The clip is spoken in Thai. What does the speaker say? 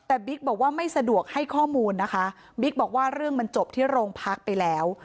แต่บิ๊กบอกว่าไม่สะดวกให้ข้อมูลนะคะบิ๊กบอกว่าเรื่องมันจบที่โรงพักไปแล้ว